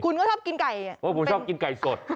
คุณก็ชอบกินไก่อ่ะเพราะผมชอบกินไก่สด